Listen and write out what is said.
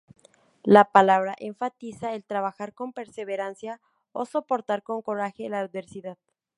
La palabra enfatiza el "trabajar con perseverancia" o "soportar con coraje la adversidad".